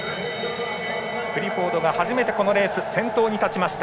クリフォードが初めてこのレース先頭に立ちました。